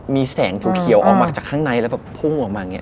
มีแสงถูเขียวออกมาจากข้างในแล้วแบบพุ่งออกมาอย่างนี้